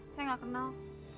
saya gak kenal